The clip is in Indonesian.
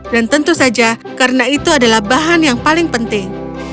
dan tentu saja karena itu adalah bahan yang paling penting